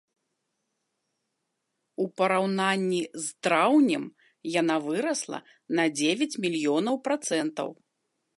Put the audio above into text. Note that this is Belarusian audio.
У параўнанні з траўнем яна вырасла на дзевяць мільёнаў працэнтаў.